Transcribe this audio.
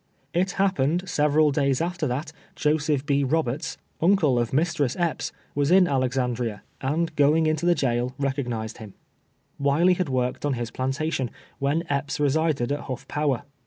It hapj)ened several days after that Joseph B. Roberts, 2 iO TWELVK TKARS A SLAVE. uncle of Mistress Epps, was in Alexandria, and going into the jail, recognized liini. AViley Lad worked on Lis plantation, wLen Ei)ps resided at Ilutt" Power.